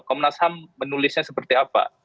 komnas ham menulisnya seperti apa